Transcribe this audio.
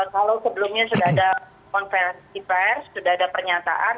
kalau sebelumnya sudah ada konversi pers sudah ada pernyataan